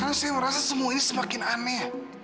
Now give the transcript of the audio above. karena saya merasa semua ini semakin aneh